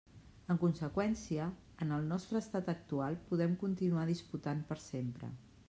En conseqüència, en el nostre estat actual podem continuar disputant per sempre.